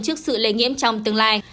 trước sự lây nghiêm trong tương lai